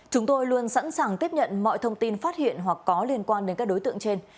chúng tôi luôn sẵn sàng tiếp nhận mọi thông tin phát hiện hoặc có liên quan đến các đối tượng trên